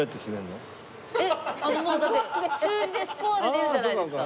えっもうだって数字でスコアで出るじゃないですか。